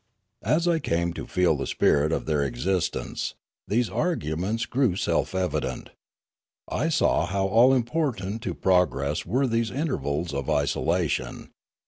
As I came to feel the spirit of their existence, these arguments grew self evident; I saw how all important to progress were these intervals of isolation.